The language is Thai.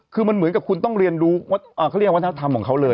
คือมันเหมือนกับคุณต้องเรียนรู้เขาเรียกวัฒนธรรมของเขาเลย